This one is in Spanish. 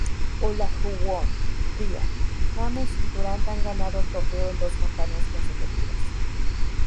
Olajuwon, Bryant, James y Durant han ganado el trofeo en dos campañas consecutivas.